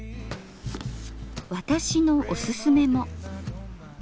私のおすすめも。